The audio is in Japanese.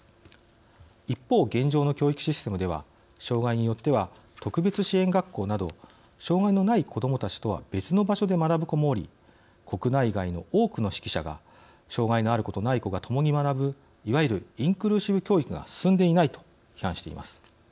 一方、現状の教育システムでは障害によっては特別支援学校など障害のない子どもたちとは別の場所で学ぶ子もおり国内外の多くの識者が障害のある子とない子が共に学ぶいわゆるインクルーシブ教育が進んでいないと批判しています。